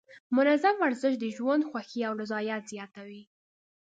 منظم ورزش د ژوند خوښۍ او رضایت زیاتوي.